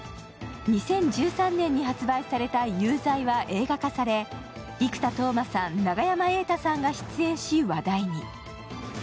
２０１３年に発売された「友罪」は映画化され生田斗真さん、永山瑛太さんが出演し、話題に。